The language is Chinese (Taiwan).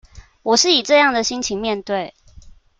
我是以這樣的心情面對